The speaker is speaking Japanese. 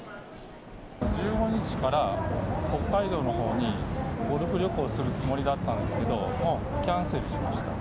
１５日から北海道のほうにゴルフ旅行するつもりだったんですけど、もうキャンセルしました。